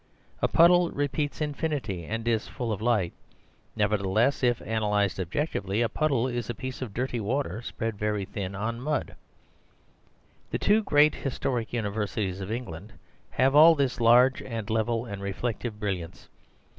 A puddle repeats infinity, and is full of light; nevertheless, if analyzed objectively, a puddle is a piece of dirty water spread very thin on mud. The two great historic universities of England have all this large and level and reflective brilliance.